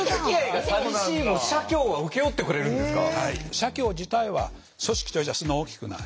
社協自体は組織としてはそんな大きくない。